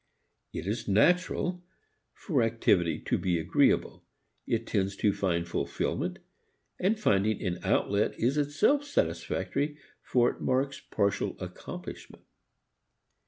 It is "natural" for activity to be agreeable. It tends to find fulfilment, and finding an outlet is itself satisfactory, for it marks partial accomplishment.